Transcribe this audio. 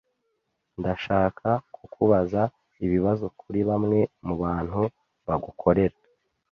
Ndashaka kukubaza ibibazo kuri bamwe mubantu bagukorera.